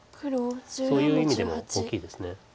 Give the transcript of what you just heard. そういう意味でも大きいです。